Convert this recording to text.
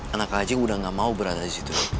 anaknya aja udah gak mau berada disitu